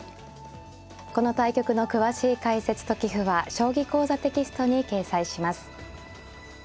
この対局の詳しい解説と棋譜は「将棋講座」テキストに掲載します。